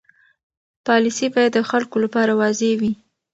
پالیسي باید د خلکو لپاره واضح وي.